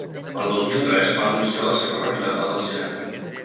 El dos mil tres va anunciar la seva retirada del cinema.